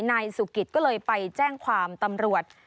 นายสุกิตก็เลยไปแจ้งความตำรวจ